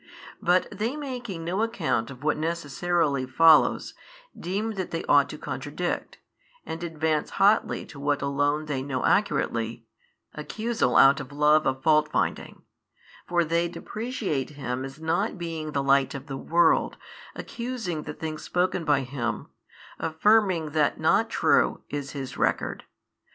But they making no account of what necessarily follows, deem that they ought to contradict, and advance hotly to what alone they know accurately, accusal out of love of fault finding, For they depreciate Him as not being the Light of the world, accusing the things spoken by Him, affirming that not true is His record.